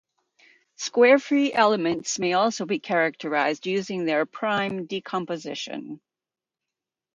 Square-free elements may be also characterized using their prime decomposition.